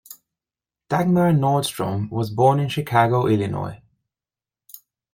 Dagmar Nordstrom was born in Chicago, Illinois.